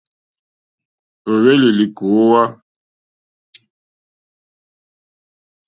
Ò hwélì lìkòówá.